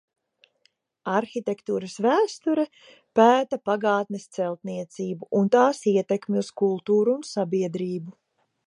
Arhitektūras vēsture pēta pagātnes celtniecību un tās ietekmi uz kultūru un sabiedrību.